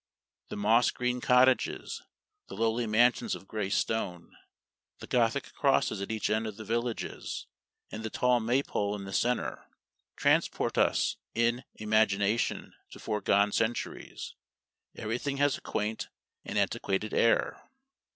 The moss green cottages, the lowly mansions of gray stone, the Gothic crosses at each end of the villages, and the tall Maypole in the centre, transport us in imagination to foregone centuries; everything has a quaint and antiquated air.